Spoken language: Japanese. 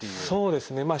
そうですね。